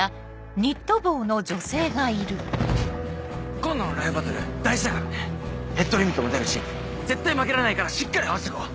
今度のライブバトル大事だからねヘッドリミットも出るし絶対負けられないからしっかり合わせてこう！